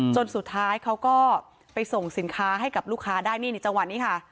สุดท้ายเขาก็ไปส่งสินค้าให้กับลูกค้าได้นี่ในจังหวะนี้ค่ะ